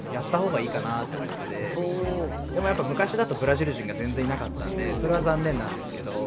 でもやっぱ昔だとブラジル人が全然いなかったんでそれは残念なんですけど。